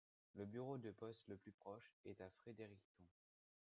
Le bureau de poste le plus proche est à Fredericton.